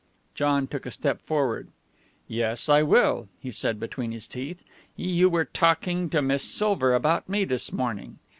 John took a step forward. "Yes, I will," he said between his teeth. "You were talking to Miss Silver about me this morning.